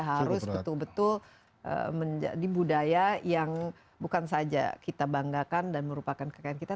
harus betul betul menjadi budaya yang bukan saja kita banggakan dan merupakan kekayaan kita